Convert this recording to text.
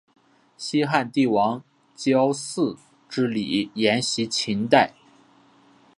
西汉帝王郊祀之礼沿袭秦代。